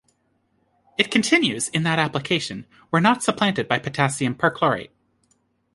It continues in that application, where not supplanted by potassium perchlorate.